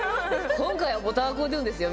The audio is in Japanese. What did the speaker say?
今回はボタンアコーディオンですよ